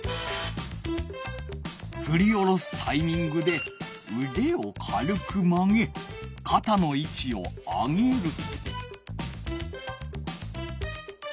ふり下ろすタイミングでうでを軽く曲げかたのいちを上げる。